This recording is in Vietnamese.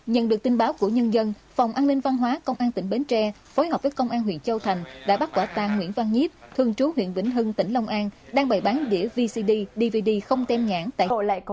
nhận được tin báo của nhân dân phòng an ninh văn hóa công an tỉnh bến tre phối hợp với công an huyện châu thành đã bắt quả tàn nguyễn văn nhít thường trú huyện vĩnh hưng tỉnh long an đang bày bán đĩa vcd dvd không tem nhãn tại khu vực cửa khẩu tân thanh